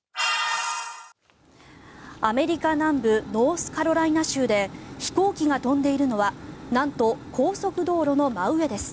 アメリカ南部ノースカロライナ州で飛行機が飛んでいるのはなんと高速道路の真上です。